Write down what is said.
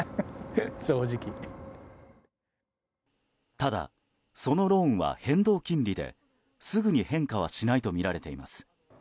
ただ、そのローンは変動金利ですぐに変化はしないとみられています。